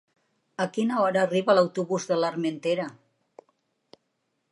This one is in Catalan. A quina hora arriba l'autobús de l'Armentera?